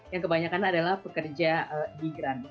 yang kebanyakan adalah pekerja di grant